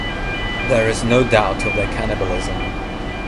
There is no doubt of their cannibalism.